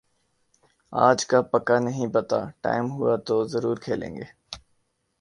آج کا پکا نہیں پتا، ٹائم ہوا تو زرور کھیلیں گے۔